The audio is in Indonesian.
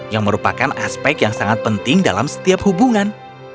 yang merupakan aspek yang sangat penting dalam setiap hubungan